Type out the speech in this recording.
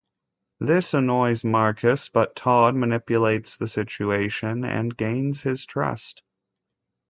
This annoys Marcus but Todd manipulates the situation and gains his trust.